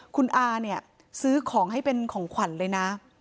คุณอาเนี่ยซื้อของให้เป็นของขวัญเลยนะ